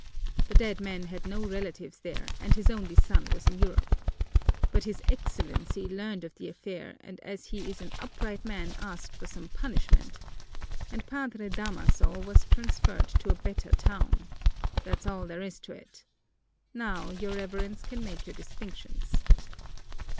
The dead man had no relatives there and his only son was in Europe. But his Excellency learned of the affair and as he is an upright man asked for some punishment and Padre Damaso was transferred to a better town. That's all there is to it. Now your Reverence can make your distinctions."